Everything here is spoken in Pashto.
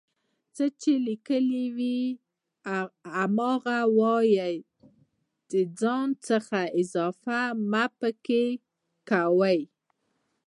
څه چې ليکلي وي هماغه وايئ ځان څخه اضافه مه پکې کوئ